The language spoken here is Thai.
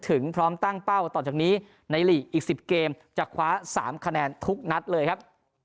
พร้อมตั้งเป้าต่อจากนี้ในหลีกอีก๑๐เกมจะคว้า๓คะแนนทุกนัดเลยครับ